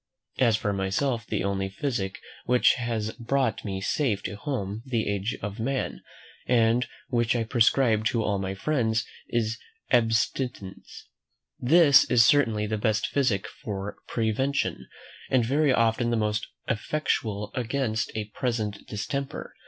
As for myself, the only physic which has brought me safe to almost the age of man, and which I prescribe to all my friends, is Abstinence. This is certainly the best physic for prevention, and very often the most effectual against a present distemper.